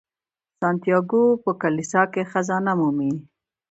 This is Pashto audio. سانتیاګو په کلیسا کې خزانه مومي.